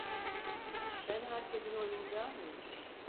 Ben herkesin oyuncağı mıyım?